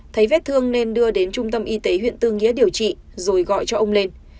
thấy vết thương nên đưa đến trung tâm y tế huyện tư nghĩa điều trị rồi gọi cho ông lên